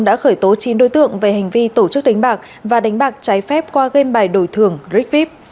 đã khởi tố chín đối tượng về hành vi tổ chức đánh bạc và đánh bạc trái phép qua game bài đổi thưởng rick vip